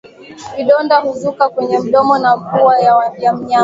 Vidonda huzuka kwenye mdomo na pua ya mnyama